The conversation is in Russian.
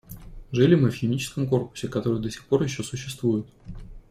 Жили мы в химическом корпусе, который до сих пор еще существует.